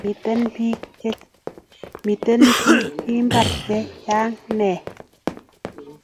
Miten pik imbar che chang nea